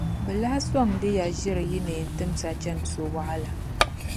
Bɛ lahi sɔŋdi ya ʒiri yi neen' timsa chani so' waɣila.